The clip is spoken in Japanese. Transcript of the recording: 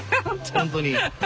本当に。